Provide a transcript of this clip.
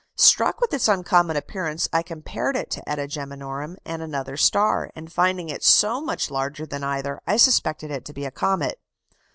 Struck with its uncommon appearance, I compared it to [eta] Geminorum and another star, and finding it so much larger than either, I suspected it to be a comet."